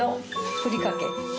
ふりかけ？